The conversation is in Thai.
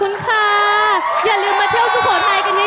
แมวโฮมีแต่ของดี